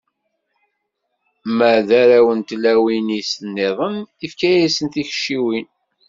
Ma d arraw n tlawin-is-nniḍen, ifka-asen tikciwin.